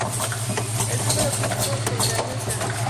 El símbolo químico del galio es Ga.